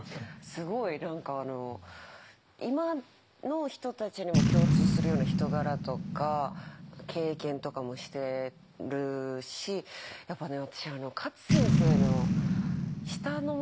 すごい何か今の人たちにも共通するような人柄とか経験とかもしてるしやっぱね